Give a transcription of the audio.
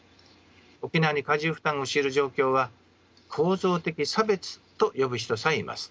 沖縄に過重負担を強いる状況は構造的差別と呼ぶ人さえいます。